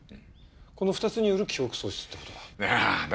この２つによる記憶喪失って事だ。